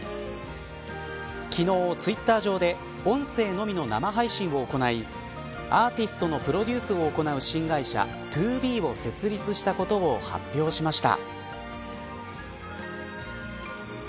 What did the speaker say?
昨日、ツイッター上で音声のみの生配信を行いアーティストのプロデュースを行う新会社ＴＯＢＥを設立したことを発表しました。